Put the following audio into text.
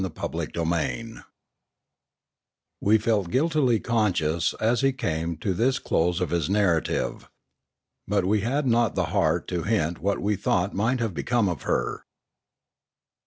EPILOGUE WE felt guiltily conscious, as he came to this close of his narrative. But we had not the heart to hint what we thought might have become of her.